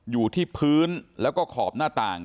อยู่ที่พื้นแล้วก็ขอบหน้าต่าง